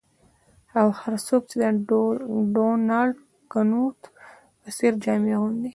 او هر څوک چې د ډونالډ کنوت په څیر جامې اغوندي